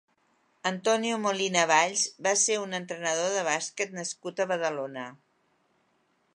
Antonio Molina Valls va ser un entrenador de bàsquet nascut a Badalona.